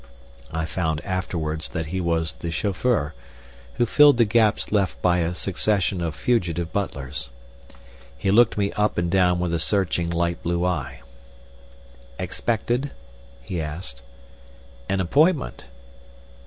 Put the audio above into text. I found afterwards that he was the chauffeur, who filled the gaps left by a succession of fugitive butlers. He looked me up and down with a searching light blue eye. "Expected?" he asked. "An appointment."